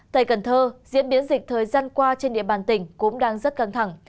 tại cần thơ diễn biến dịch thời gian qua trên địa bàn tỉnh cũng đang rất căng thẳng